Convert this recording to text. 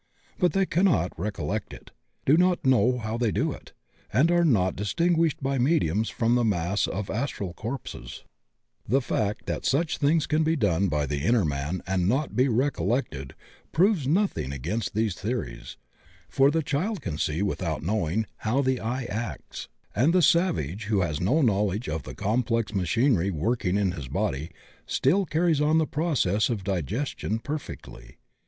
But they cannot recol lect it, do not know how they do it, and are not dis tinguished by mediums from the mass of astral corpses. THE INNER MAN ACTS 49 The fact that such things can be done by the inner man and not be recollected proves nothing against these theories, for the child can see without knowing how the eye acts, and the savage who has no knowl edge of tihe complex machinery working in his body stifi carries on the process of digestion perfectly.